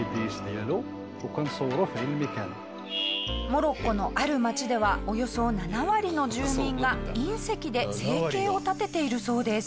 モロッコのある町ではおよそ７割の住民が隕石で生計を立てているそうです。